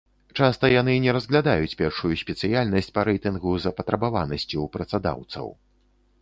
Часта яны не разглядаюць першую спецыяльнасць па рэйтынгу запатрабаванасці ў працадаўцаў.